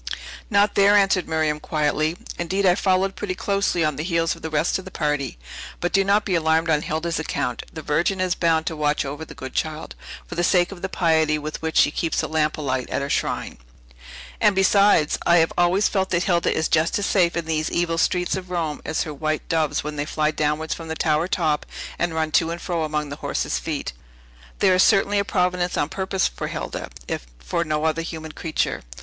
"Not there," answered Miriam quietly; "indeed, I followed pretty closely on the heels of the rest of the party. But do not be alarmed on Hilda's account; the Virgin is bound to watch over the good child, for the sake of the piety with which she keeps the lamp alight at her shrine. And besides, I have always felt that Hilda is just as safe in these evil streets of Rome as her white doves when they fly downwards from the tower top, and run to and fro among the horses' feet. There is certainly a providence on purpose for Hilda, if for no other human creature."